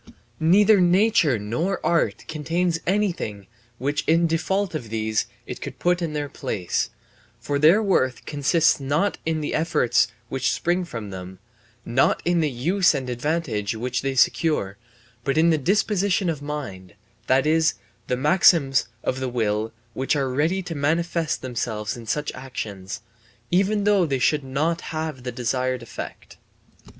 Neither nature nor art contains anything which in default of these it could put in their place, for their worth consists not in the effects which spring from them, not in the use and advantage which they secure, but in the disposition of mind, that is, the maxims of the will which are ready to manifest themselves in such actions, even though they should not have the desired effect.